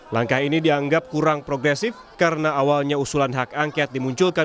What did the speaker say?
langkah ini dianggap kurang progresif karena awalnya usulan hak angket dimunculkan